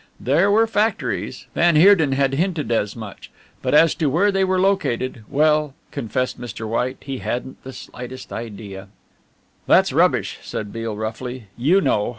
There were factories van Heerden had hinted as much but as to where they were located well, confessed Mr. White, he hadn't the slightest idea. "That's rubbish," said Beale roughly, "you know.